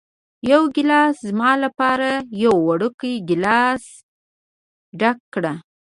یو ګېلاس زما لپاره، یو وړوکی ګېلاس یې ډک کړ.